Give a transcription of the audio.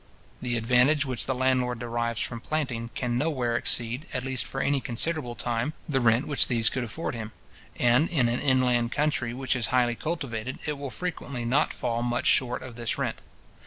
The advantage which the landlord derives from planting can nowhere exceed, at least for any considerable time, the rent which these could afford him; and in an inland country, which is highly cultivated, it will frequently not fall much short of this rent.